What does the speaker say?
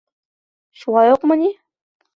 Шулай уҡмы ни?